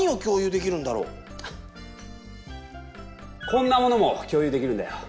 こんなものも共有できるんだよ。